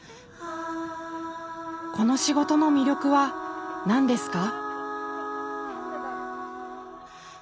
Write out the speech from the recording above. この仕事の魅力は何ですか？